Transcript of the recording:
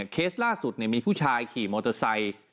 เคสล่าสุดมีผู้ชายขี่มอเตอร์ไซค์